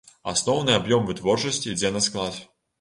Асноўны аб'ём вытворчасці ідзе на склад.